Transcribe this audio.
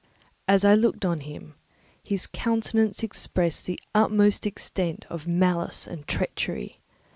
As I looked on him, his countenance expressed the utmost extent of malice and treachery.